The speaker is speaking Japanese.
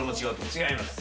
違います。